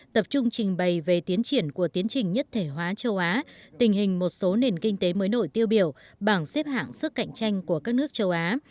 tập trung trình bày về tiến triển của tiến trình nhất thể hóa châu á tình hình một số nền kinh tế mới nổi tiêu biểu bảng xếp hạng sức cạnh tranh của các nước châu á